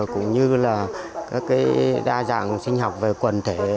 cũng như là các đa dạng sinh học về quần thể